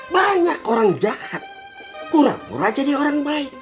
banyak orang jahat pura pura jadi orang baik